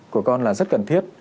của con là rất cần thiết